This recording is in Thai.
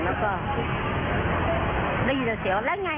แล้วก็ได้ยินแต่เสียว่าแล้วไง